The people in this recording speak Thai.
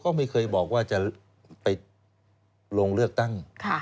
ก็ไม่เคยบอกว่าจะไปลงเลือกตั้ง